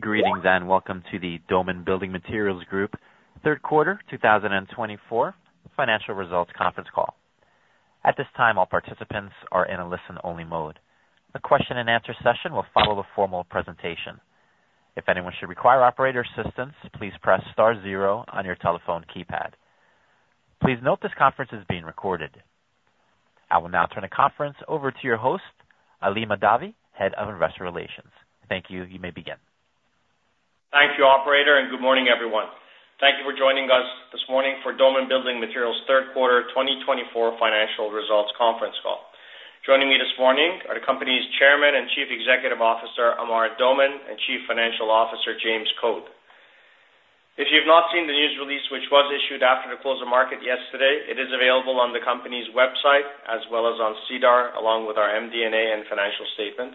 Greetings and welcome to the Doman Building Materials Group third quarter 2024 financial results conference call. At this time, all participants are in a listen-only mode. The question-and-answer session will follow a formal presentation. If anyone should require operator assistance, please press Star zero on your telephone keypad. Please note this conference is being recorded. I will now turn the conference over to your host, Ali Mahdavi, Head of Investor Relations. Thank you. You may begin. Thank you, operator, and good morning, everyone. Thank you for joining us this morning for Doman Building Materials third quarter, 2024, financial results conference call. Joining me this morning are the company's Chairman and Chief Executive Officer, Amar Doman, and Chief Financial Officer, James Code. If you have not seen the news release, which was issued after the close of market yesterday, it is available on the company's website as well as on SEDAR, along with our MD&A and financial statements.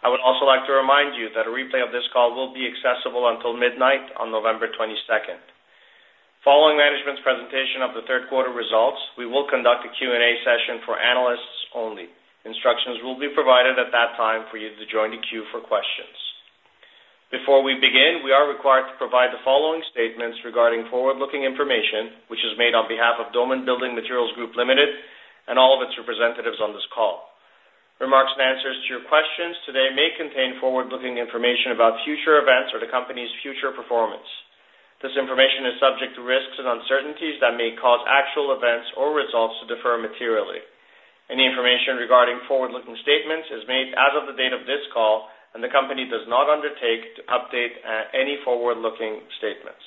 I would also like to remind you that a replay of this call will be accessible until midnight on November 22nd. Following management's presentation of the third quarter results, we will conduct a Q&A session for analysts only. Instructions will be provided at that time for you to join the queue for questions. Before we begin, we are required to provide the following statements regarding forward-looking information, which is made on behalf of Doman Building Materials Group Ltd. and all of its representatives on this call. Remarks and answers to your questions today may contain forward-looking information about future events or the company's future performance. This information is subject to risks and uncertainties that may cause actual events or results to differ materially. Any information regarding forward-looking statements is made as of the date of this call, and the company does not undertake to update any forward-looking statements.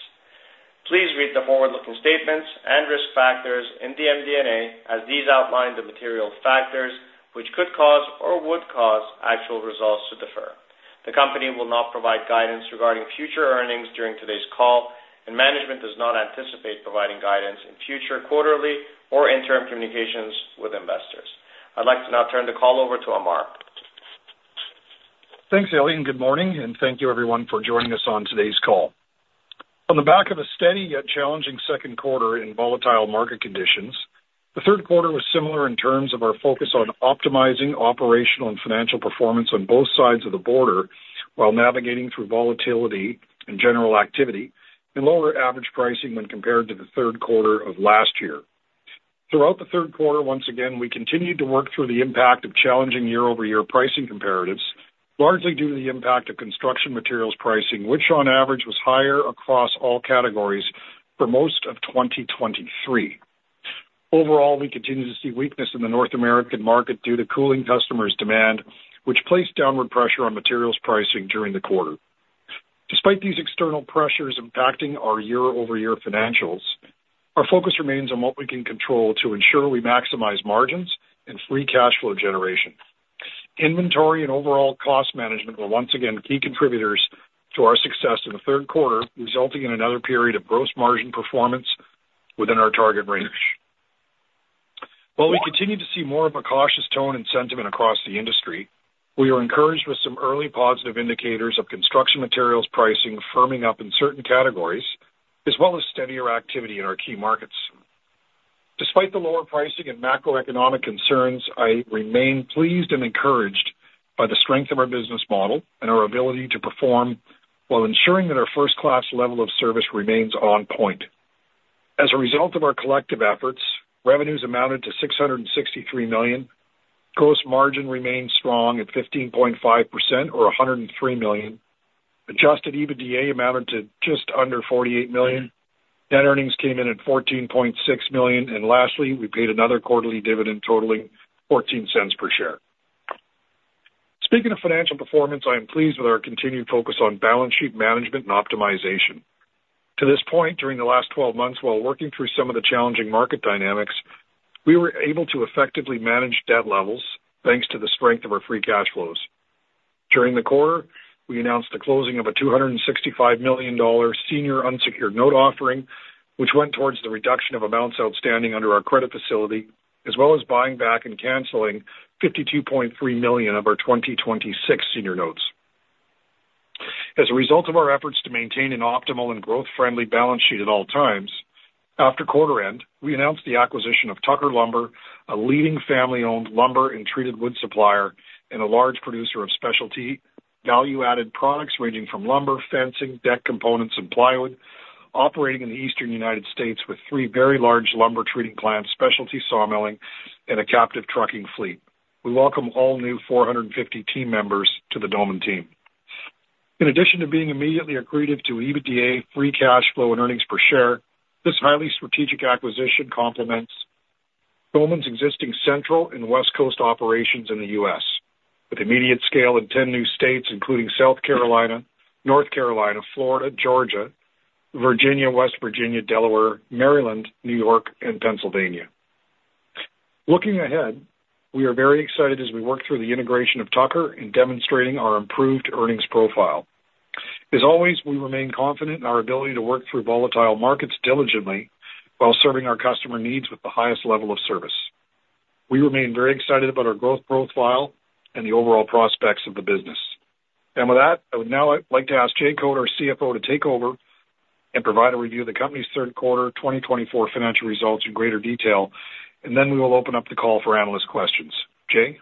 Please read the forward-looking statements and risk factors in the MD&A as these outline the material factors which could cause or would cause actual results to differ. The company will not provide guidance regarding future earnings during today's call, and management does not anticipate providing guidance in future quarterly or interim communications with investors. I'd like to now turn the call over to Amar. Thanks, Ali, and good morning, and thank you, everyone, for joining us on today's call. On the back of a steady yet challenging second quarter in volatile market conditions, the third quarter was similar in terms of our focus on optimizing operational and financial performance on both sides of the border while navigating through volatility and general activity and lower average pricing when compared to the third quarter of last year. Throughout the third quarter, once again, we continued to work through the impact of challenging year-over-year pricing comparatives, largely due to the impact of construction materials pricing, which on average was higher across all categories for most of 2023. Overall, we continue to see weakness in the North American market due to cooling customers' demand, which placed downward pressure on materials pricing during the quarter. Despite these external pressures impacting our year-over-year financials, our focus remains on what we can control to ensure we maximize margins and free cash flow generation. Inventory and overall cost management were once again key contributors to our success in the third quarter, resulting in another period of gross margin performance within our target range. While we continue to see more of a cautious tone and sentiment across the industry, we are encouraged with some early positive indicators of construction materials pricing firming up in certain categories as well as steadier activity in our key markets. Despite the lower pricing and macroeconomic concerns, I remain pleased and encouraged by the strength of our business model and our ability to perform while ensuring that our first-class level of service remains on point. As a result of our collective efforts, revenues amounted to CAD 663 million. Gross margin remained strong at 15.5% or CAD 103 million. Adjusted EBITDA amounted to just under CAD 48 million. Net earnings came in at CAD 14.6 million. And lastly, we paid another quarterly dividend totaling 0.14 per share. Speaking of financial performance, I am pleased with our continued focus on balance sheet management and optimization. To this point, during the last 12 months, while working through some of the challenging market dynamics, we were able to effectively manage debt levels thanks to the strength of our free cash flows. During the quarter, we announced the closing of a 265 million dollar senior unsecured note offering, which went towards the reduction of amounts outstanding under our credit facility, as well as buying back and canceling 52.3 million of our 2026 senior notes. As a result of our efforts to maintain an optimal and growth-friendly balance sheet at all times, after quarter end, we announced the acquisition of Tucker Lumber, a leading family-owned lumber and treated wood supplier and a large producer of specialty value-added products ranging from lumber, fencing, deck components, and plywood, operating in the Eastern United States with three very large lumber treating plants, specialty sawmilling, and a captive trucking fleet. We welcome all new 450 team members to the Doman team. In addition to being immediately accretive to EBITDA, free cash flow, and earnings per share, this highly strategic acquisition complements Doman's existing central and West Coast operations in the U.S., with immediate scale in 10 new states, including South Carolina, North Carolina, Florida, Georgia, Virginia, West Virginia, Delaware, Maryland, New York, and Pennsylvania. Looking ahead, we are very excited as we work through the integration of Tucker and demonstrating our improved earnings profile. As always, we remain confident in our ability to work through volatile markets diligently while serving our customer needs with the highest level of service. We remain very excited about our growth profile and the overall prospects of the business. And with that, I would now like to ask Jay Code, our CFO, to take over and provide a review of the company's third quarter 2024 financial results in greater detail, and then we will open up the call for analyst questions. Jay?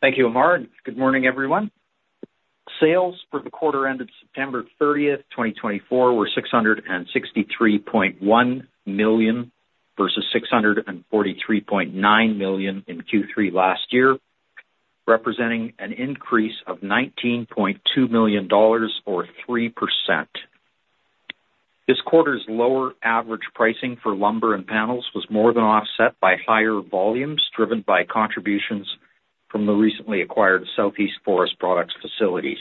Thank you, Amar. Good morning, everyone. Sales for the quarter ended September 30th, 2024, were 663.1 million versus 643.9 million in Q3 last year, representing an increase of 19.2 million dollars or 3%. This quarter's lower average pricing for lumber and panels was more than offset by higher volumes driven by contributions from the recently acquired Southeast Forest Products facilities.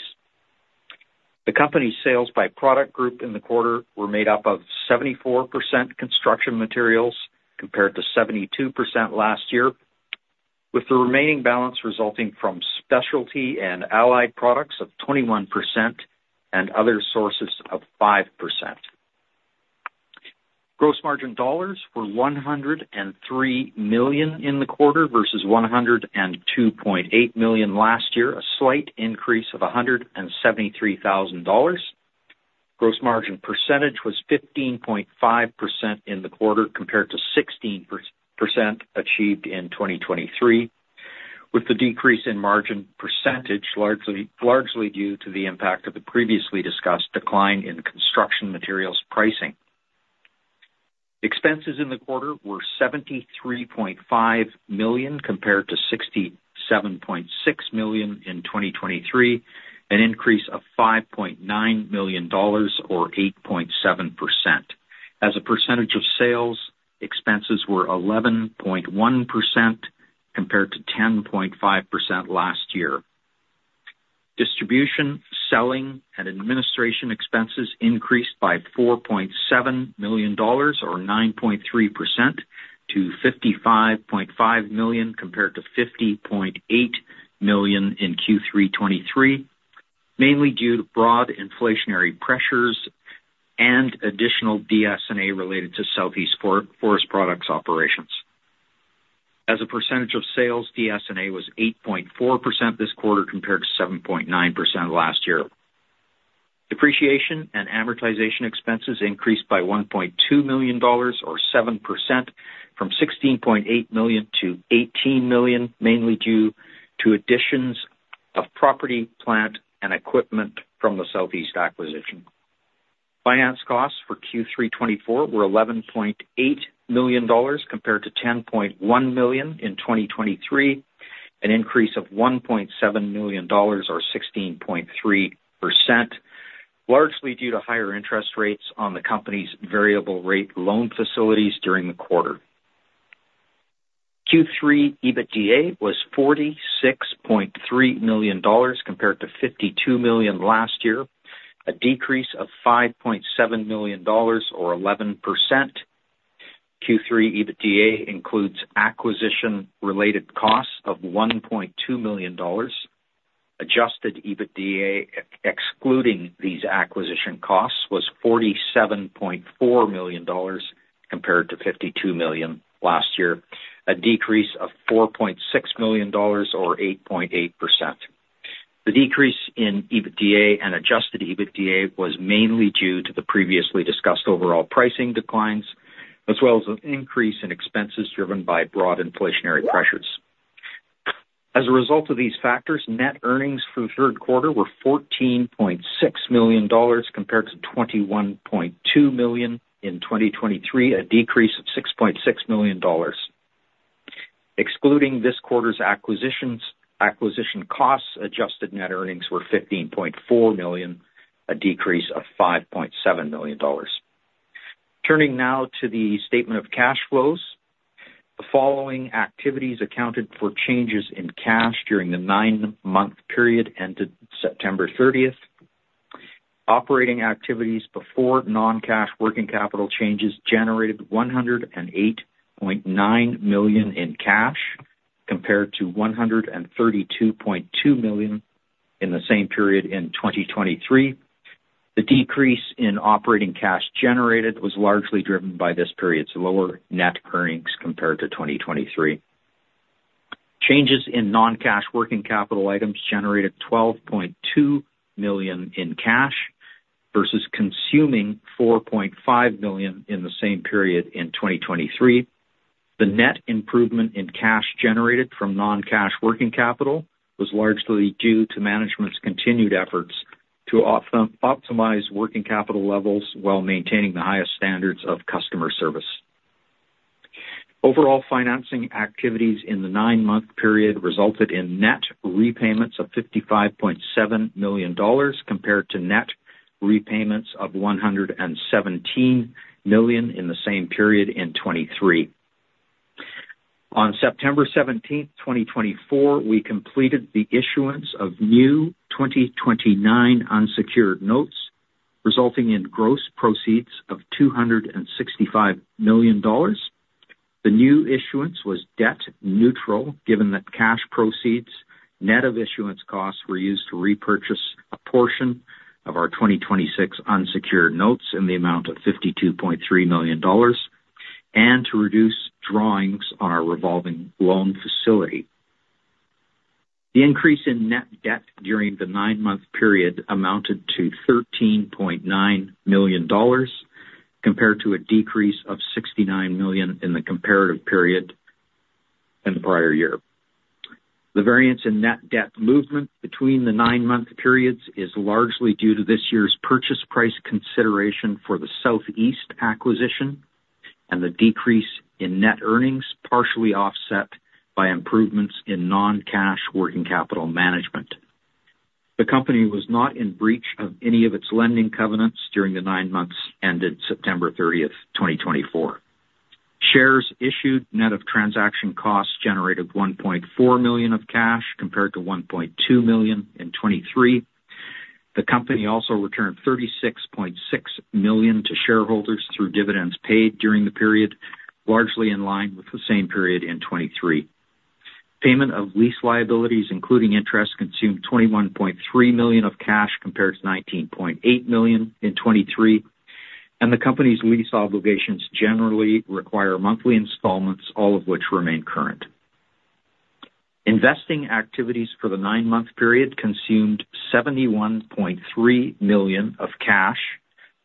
The company's sales by product group in the quarter were made up of 74% construction materials compared to 72% last year, with the remaining balance resulting from specialty and allied products of 21% and other sources of 5%. Gross margin dollars were CAD 103 million in the quarter versus CAD 102.8 million last year, a slight increase of CAD 173,000. Gross margin percentage was 15.5% in the quarter compared to 16% achieved in 2023, with the decrease in margin percentage largely due to the impact of the previously discussed decline in construction materials pricing. Expenses in the quarter were CAD 73.5 million compared to CAD 67.6 million in 2023, an increase of CAD 5.9 million or 8.7%. As a percentage of sales, expenses were 11.1% compared to 10.5% last year. Distribution, Selling, and Administration expenses increased by 4.7 million dollars or 9.3% to 55.5 million compared to 50.8 million in Q3 2023, mainly due to broad inflationary pressures and additional DS&A related to Southeast Forest Products operations. As a percentage of sales, DS&A was 8.4% this quarter compared to 7.9% last year. Depreciation and amortization expenses increased by 1.2 million dollars or 7% from 16.8 million to 18 million, mainly due to additions of property, plant, and equipment from the Southeast acquisition. Finance costs for Q3 2024 were CAD 11.8 million compared to CAD 10.1 million in 2023, an increase of CAD 1.7 million or 16.3%, largely due to higher interest rates on the company's variable-rate loan facilities during the quarter. Q3 EBITDA was 46.3 million dollars compared to 52 million last year, a decrease of 5.7 million dollars or 11%. Q3 EBITDA includes acquisition-related costs of 1.2 million dollars. Adjusted EBITDA excluding these acquisition costs was 47.4 million dollars compared to 52 million last year, a decrease of 4.6 million dollars or 8.8%. The decrease in EBITDA and adjusted EBITDA was mainly due to the previously discussed overall pricing declines, as well as an increase in expenses driven by broad inflationary pressures. As a result of these factors, net earnings for the third quarter were CAD 14.6 million compared to CAD 21.2 million in 2023, a decrease of CAD 6.6 million. Excluding this quarter's acquisition costs, adjusted net earnings were 15.4 million, a decrease of 5.7 million dollars. Turning now to the statement of cash flows, the following activities accounted for changes in cash during the nine-month period ended September 30th. Operating activities before non-cash working capital changes generated 108.9 million in cash compared to 132.2 million in the same period in 2023. The decrease in operating cash generated was largely driven by this period's lower net earnings compared to 2023. Changes in non-cash working capital items generated 12.2 million in cash versus consuming 4.5 million in the same period in 2023. The net improvement in cash generated from non-cash working capital was largely due to management's continued efforts to optimize working capital levels while maintaining the highest standards of customer service. Overall financing activities in the nine-month period resulted in net repayments of 55.7 million dollars compared to net repayments of 117 million in the same period in 2023. On September 17th, 2024, we completed the issuance of new 2029 unsecured notes, resulting in gross proceeds of 265 million dollars. The new issuance was debt-neutral, given that cash proceeds net of issuance costs were used to repurchase a portion of our 2026 unsecured notes in the amount of $52.3 million and to reduce drawings on our revolving loan facility. The increase in net debt during the nine-month period amounted to $13.9 million compared to a decrease of 69 million in the comparative period in the prior year. The variance in net debt movement between the nine-month periods is largely due to this year's purchase price consideration for the Southeast acquisition and the decrease in net earnings partially offset by improvements in non-cash working capital management. The company was not in breach of any of its lending covenants during the nine months ended September 30th, 2024. Shares issued net of transaction costs generated 1.4 million of cash compared to 1.2 million in 2023. The company also returned 36.6 million to shareholders through dividends paid during the period, largely in line with the same period in 2023. Payment of lease liabilities, including interest, consumed 21.3 million of cash compared to 19.8 million in 2023, and the company's lease obligations generally require monthly installments, all of which remain current. Investing activities for the nine-month period consumed 71.3 million of cash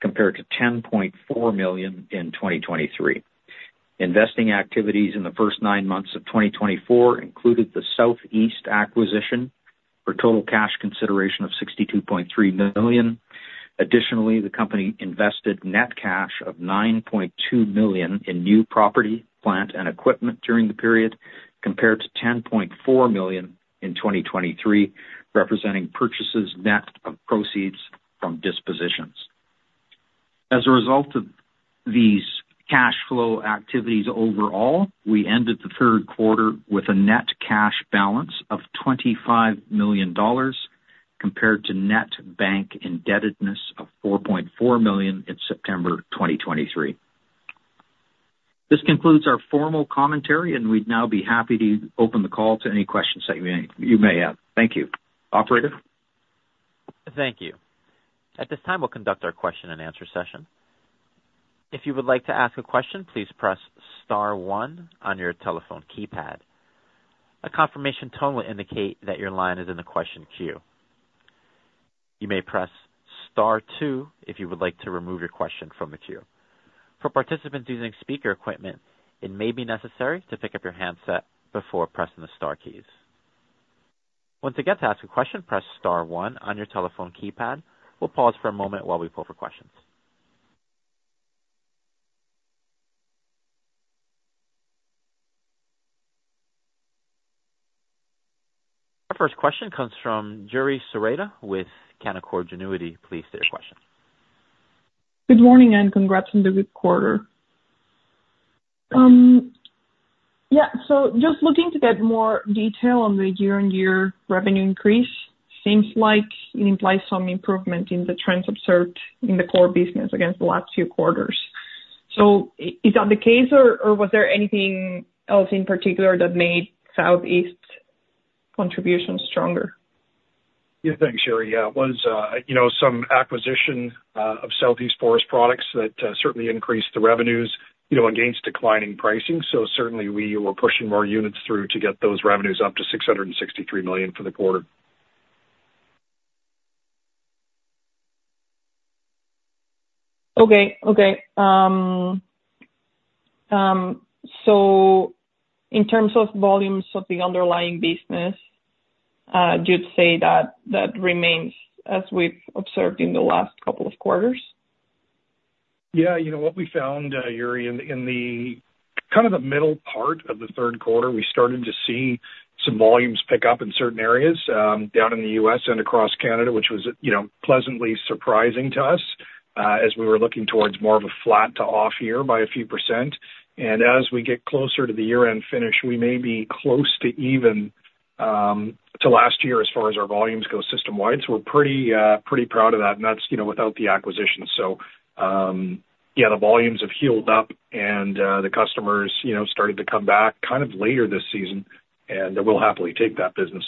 compared to 10.4 million in 2023. Investing activities in the first nine months of 2024 included the Southeast acquisition for total cash consideration of CAD 62.3 million. Additionally, the company invested net cash of CAD 9.2 million in new property, plant, and equipment during the period compared to CAD 10.4 million in 2023, representing purchases net of proceeds from dispositions. As a result of these cash flow activities overall, we ended the third quarter with a net cash balance of $25 million compared to net bank indebtedness of 4.4 million in September 2023. This concludes our formal commentary, and we'd now be happy to open the call to any questions that you may have. Thank you. Operator? Thank you. At this time, we'll conduct our question-and-answer session. If you would like to ask a question, please press Star one on your telephone keypad. A confirmation tone will indicate that your line is in the question queue. You may press Star two if you would like to remove your question from the queue. For participants using speaker equipment, it may be necessary to pick up your handset before pressing the star keys. Once again, to ask a question, press Star one on your telephone keypad. We'll pause for a moment while we pull for questions. Our first question comes from Yuri Zoreda with Canaccord Genuity. Please state your question. Good morning and congrats on the good quarter. Yeah. So just looking to get more detail on the year-on-year revenue increase. Seems like it implies some improvement in the trends observed in the core business against the last few quarters. So is that the case, or was there anything else in particular that made Southeast's contribution stronger? Yeah, thanks, Yuri. Yeah, it was some acquisition of Southeast Forest Products that certainly increased the revenues against declining pricing. So certainly, we were pushing more units through to get those revenues up to 663 million for the quarter. Okay. Okay. So in terms of volumes of the underlying business, you'd say that that remains as we've observed in the last couple of quarters? Yeah. What we found, Yuri, in kind of the middle part of the third quarter, we started to see some volumes pick up in certain areas down in the U.S. and across Canada, which was pleasantly surprising to us as we were looking towards more of a flat to off year by a few percent, and as we get closer to the year-end finish, we may be close to even to last year as far as our volumes go system-wide, so we're pretty proud of that, and that's without the acquisition, so yeah, the volumes have healed up, and the customers started to come back kind of later this season, and we'll happily take that business.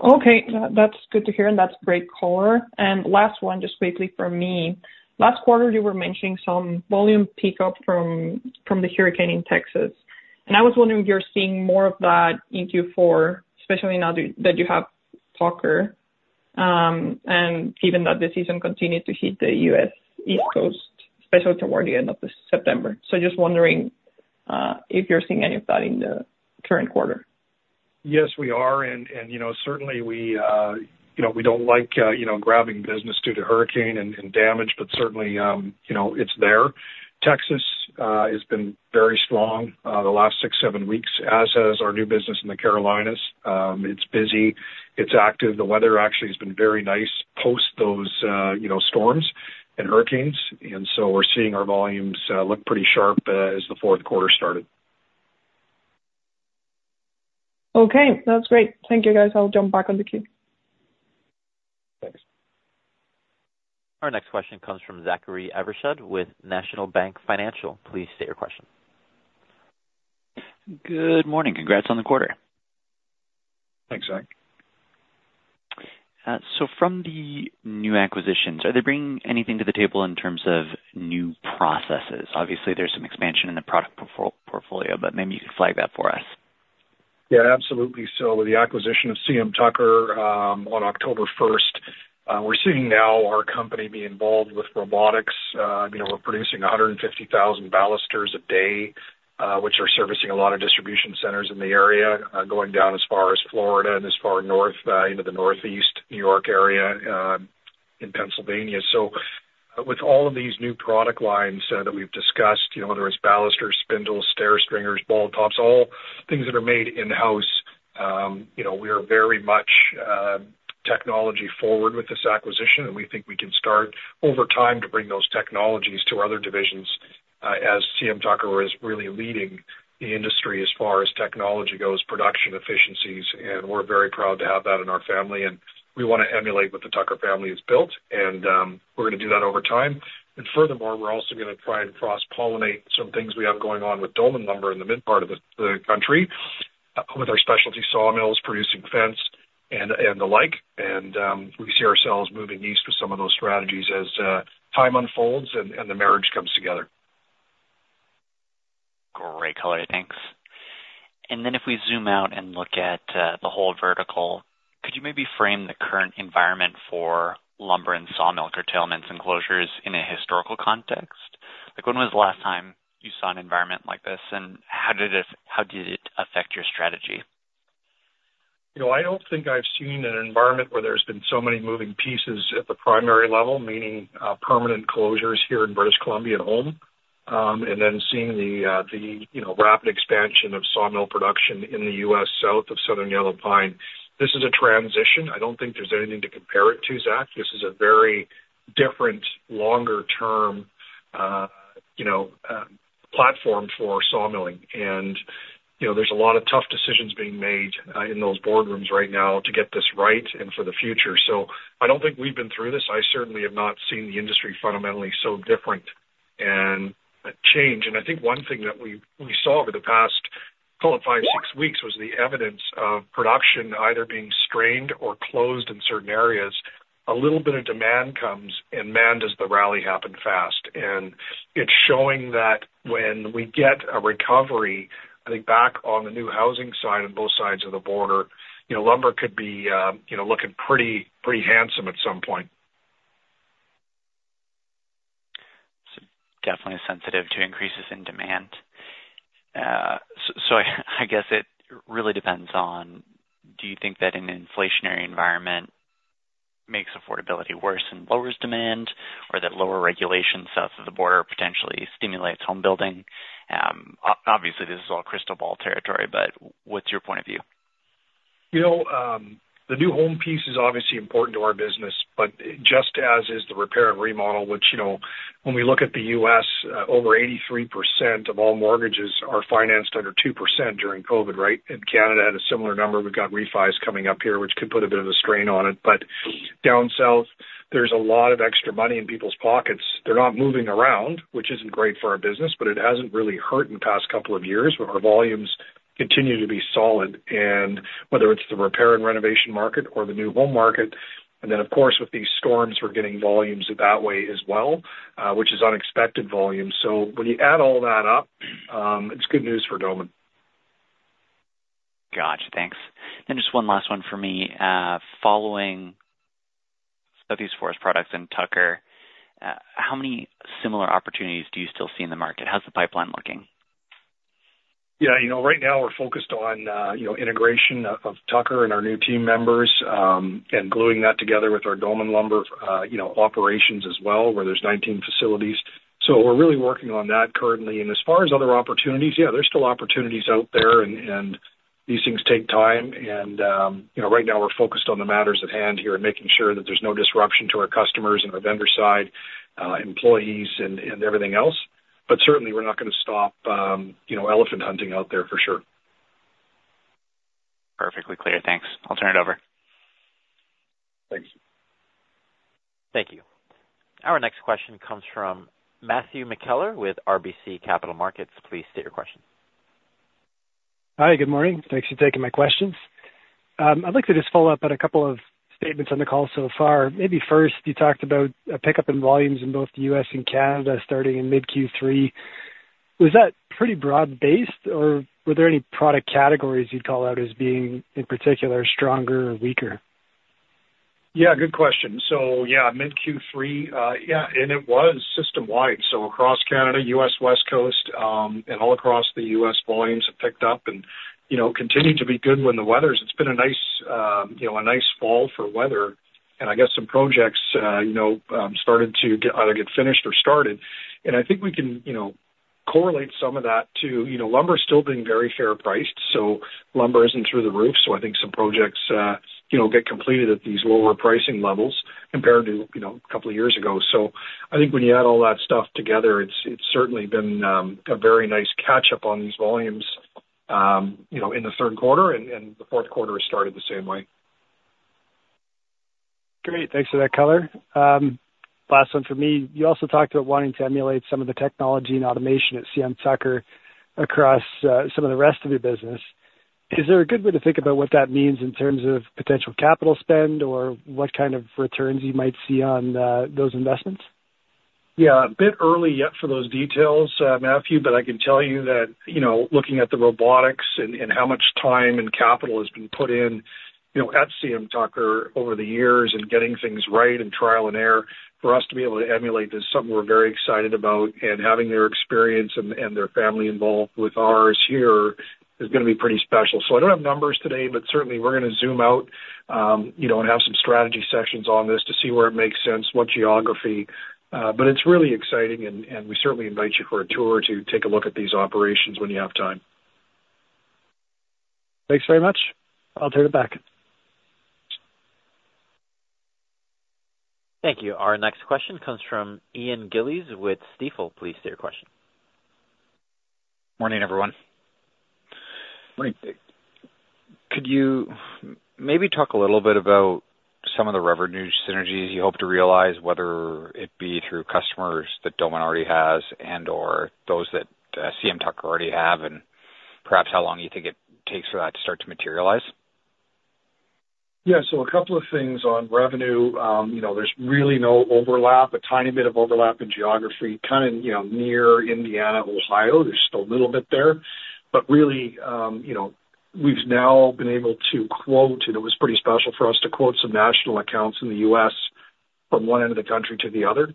Okay. That's good to hear, and that's great color. And last one, just quickly for me. Last quarter, you were mentioning some volume pickup from the hurricane in Texas. And I was wondering if you're seeing more of that in Q4, especially now that you have Tucker and given that the season continued to hit the U.S. East Coast, especially toward the end of September. So just wondering if you're seeing any of that in the current quarter. Yes, we are. And certainly, we don't like grabbing business due to hurricane and damage, but certainly, it's there. Texas has been very strong the last six, seven weeks, as has our new business in the Carolinas. It's busy. It's active. The weather actually has been very nice post those storms and hurricanes. And so we're seeing our volumes look pretty sharp as the fourth quarter started. Okay. That's great. Thank you, guys. I'll jump back on the queue. Thanks. Our next question comes from Zachary Evershed with National Bank Financial. Please state your question. Good morning. Congrats on the quarter. Thanks, Zach. So from the new acquisitions, are they bringing anything to the table in terms of new processes? Obviously, there's some expansion in the product portfolio, but maybe you could flag that for us. Yeah, absolutely. So with the acquisition of CM Tucker on October 1st, we're seeing now our company be involved with robotics. We're producing 150,000 balusters a day, which are servicing a lot of distribution centers in the area, going down as far as Florida and as far north into the northeast New York area in Pennsylvania. So with all of these new product lines that we've discussed, whether it's balusters, spindles, stair stringers, ball tops, all things that are made in-house, we are very much technology-forward with this acquisition, and we think we can start over time to bring those technologies to other divisions as CM Tucker is really leading the industry as far as technology goes, production efficiencies. And we're very proud to have that in our family, and we want to emulate what the Tucker family has built, and we're going to do that over time. Furthermore, we're also going to try and cross-pollinate some things we have going on with Doman Lumber in the mid-part of the country with our specialty sawmills, producing fence and the like. We see ourselves moving east with some of those strategies as time unfolds and the marriage comes together. Great color. Thanks. And then if we zoom out and look at the whole vertical, could you maybe frame the current environment for lumber and sawmill curtailments and closures in a historical context? When was the last time you saw an environment like this, and how did it affect your strategy? I don't think I've seen an environment where there's been so many moving pieces at the primary level, meaning permanent closures here in British Columbia and home, and then seeing the rapid expansion of sawmill production in the U.S. South of Southern Yellow Pine. This is a transition. I don't think there's anything to compare it to, Zach. This is a very different, longer-term platform for sawmilling. And there's a lot of tough decisions being made in those boardrooms right now to get this right and for the future. So I don't think we've been through this. I certainly have not seen the industry fundamentally so different and change. And I think one thing that we saw over the past, call it five, six weeks, was the evidence of production either being strained or closed in certain areas. A little bit of demand comes, and man, does the rally happen fast. And it's showing that when we get a recovery, I think back on the new housing side on both sides of the border, lumber could be looking pretty handsome at some point. So definitely sensitive to increases in demand. So I guess it really depends on, do you think that an inflationary environment makes affordability worse and lowers demand, or that lower regulation south of the border potentially stimulates home building? Obviously, this is all crystal ball territory, but what's your point of view? The new home piece is obviously important to our business, but just as is the repair and remodel, which when we look at the U.S., over 83% of all mortgages are financed under 2% during COVID, right? And Canada had a similar number. We've got refis coming up here, which could put a bit of a strain on it. But down south, there's a lot of extra money in people's pockets. They're not moving around, which isn't great for our business, but it hasn't really hurt in the past couple of years. Our volumes continue to be solid, and whether it's the repair and renovation market or the new home market. And then, of course, with these storms, we're getting volumes that way as well, which is unexpected volume. So when you add all that up, it's good news for Doman. Gotcha. Thanks. And just one last one for me. Following Southeast Forest Products and Tucker, how many similar opportunities do you still see in the market? How's the pipeline looking? Yeah. Right now, we're focused on integration of Tucker and our new team members and gluing that together with our Doman Lumber operations as well, where there's 19 facilities. So we're really working on that currently. And as far as other opportunities, yeah, there's still opportunities out there, and these things take time. And right now, we're focused on the matters at hand here and making sure that there's no disruption to our customers and our vendor side, employees, and everything else. But certainly, we're not going to stop elephant hunting out there for sure. Perfectly clear. Thanks. I'll turn it over. Thanks. Thank you. Our next question comes from Matthew McKellar with RBC Capital Markets. Please state your question. Hi. Good morning. Thanks for taking my questions. I'd like to just follow up on a couple of statements on the call so far. Maybe first, you talked about a pickup in volumes in both the U.S. and Canada starting in mid-Q3. Was that pretty broad-based, or were there any product categories you'd call out as being, in particular, stronger or weaker? Yeah. Good question. So yeah, mid-Q3, yeah, and it was system-wide. So across Canada, U.S. West Coast, and all across the U.S., volumes have picked up and continue to be good when the weather's. It's been a nice fall for weather, and I guess some projects started to either get finished or started, and I think we can correlate some of that to lumber still being very fair-priced. So lumber isn't through the roof. So I think when you add all that stuff together, it's certainly been a very nice catch-up on these volumes in the third quarter, and the fourth quarter has started the same way. Great. Thanks for that color. Last one for me. You also talked about wanting to emulate some of the technology and automation at CM Tucker across some of the rest of your business. Is there a good way to think about what that means in terms of potential capital spend or what kind of returns you might see on those investments? Yeah. A bit early yet for those details, Matthew, but I can tell you that looking at the robotics and how much time and capital has been put in at CM Tucker over the years and getting things right and trial and error, for us to be able to emulate is something we're very excited about. And having their experience and their family involved with ours here is going to be pretty special. So I don't have numbers today, but certainly, we're going to zoom out and have some strategy sessions on this to see where it makes sense, what geography. But it's really exciting, and we certainly invite you for a tour to take a look at these operations when you have time. Thanks very much. I'll turn it back. Thank you. Our next question comes from Ian Gillies with Stifel. Please state your question. Morning, everyone. Morning. Could you maybe talk a little bit about some of the revenue synergies you hope to realize, whether it be through customers that Doman already has and/or those that CM Tucker already have, and perhaps how long you think it takes for that to start to materialize? Yeah. So a couple of things on revenue. There's really no overlap, a tiny bit of overlap in geography, kind of near Indiana, Ohio. There's still a little bit there. But really, we've now been able to quote, and it was pretty special for us to quote some national accounts in the U.S. from one end of the country to the other,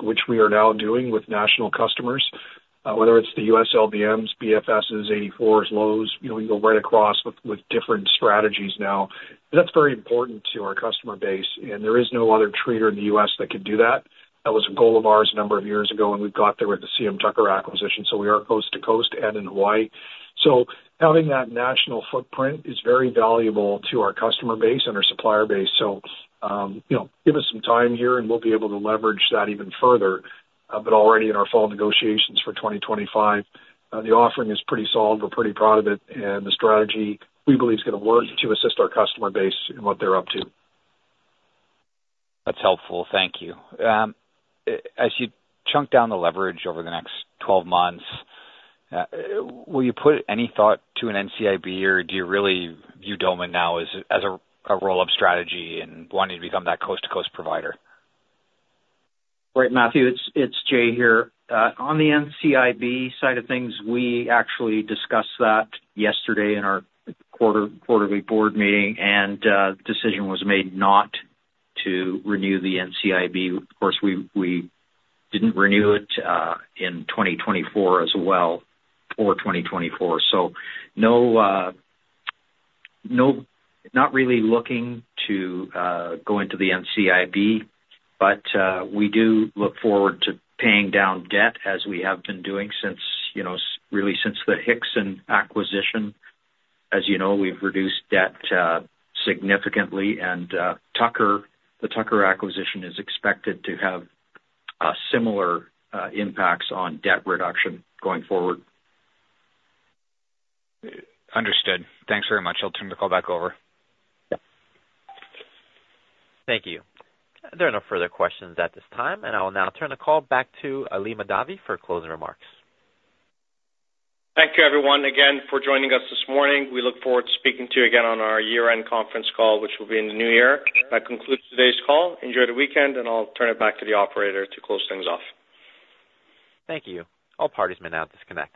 which we are now doing with national customers, whether it's the U.S. LBMs, BFSs, 84s, Lowe's. You go right across with different strategies now. That's very important to our customer base, and there is no other trader in the US that could do that. That was a goal of ours a number of years ago, and we've got there with the CM Tucker acquisition. So we are coast to coast and in Hawaii. So having that national footprint is very valuable to our customer base and our supplier base. So give us some time here, and we'll be able to leverage that even further. But already in our fall negotiations for 2025, the offering is pretty solid. We're pretty proud of it, and the strategy we believe is going to work to assist our customer base in what they're up to. That's helpful. Thank you. As you chunk down the leverage over the next 12 months, will you put any thought to an NCIB, or do you really view Doman now as a roll-up strategy and wanting to become that coast-to-coast provider? Right, Matthew. It's Jay here. On the NCIB side of things, we actually discussed that yesterday in our quarterly board meeting, and the decision was made not to renew the NCIB. Of course, we didn't renew it in 2024 as well or 2024. So not really looking to go into the NCIB, but we do look forward to paying down debt as we have been doing since really since the Hixson acquisition. As you know, we've reduced debt significantly, and the Tucker acquisition is expected to have similar impacts on debt reduction going forward. Understood. Thanks very much. I'll turn the call back over. Thank you. There are no further questions at this time, and I'll now turn the call back to Ali Mahdavi for closing remarks. Thank you, everyone, again for joining us this morning. We look forward to speaking to you again on our year-end conference call, which will be in the new year. That concludes today's call. Enjoy the weekend, and I'll turn it back to the operator to close things off. Thank you. All parties may now disconnect.